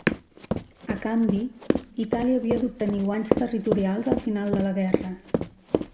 A canvi, Itàlia havia d'obtenir guanys territorials al final de la guerra.